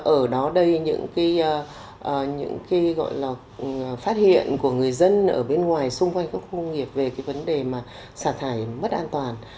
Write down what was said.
ở đó đây những phát hiện của người dân ở bên ngoài xung quanh các khu công nghiệp về vấn đề sả thải mất an toàn